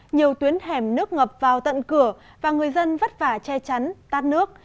nhiều tuyến hẻm nước ngập vào tận cửa và người dân vất vả che chắn tát nước